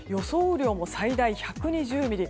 雨量も最大１２０ミリ。